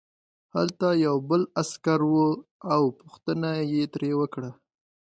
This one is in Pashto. هلته یو بل عسکر و او پوښتنه یې ترې وکړه